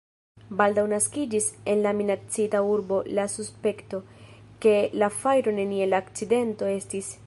Baldaŭ naskiĝis en la minacita urbo la suspekto, ke la fajro neniel akcidento estis.